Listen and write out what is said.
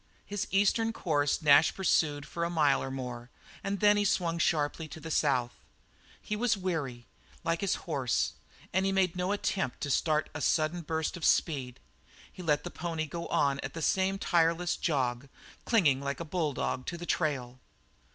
His eastern course Nash pursued for a mile or more, and then swung sharp to the south. He was weary, like his horse, and he made no attempt to start a sudden burst of speed. He let the pony go on at the same tireless jog, clinging like a bulldog to the trail.